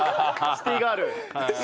シティーガール。